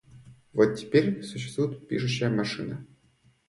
Вот теперь существует пишущая машина.